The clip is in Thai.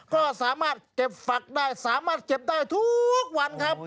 ก็สามารถเก็บฝักได้สามารถเก็บได้ทุกวันครับ